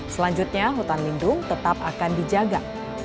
selanjutnya hutan lindung tetap akan dijaga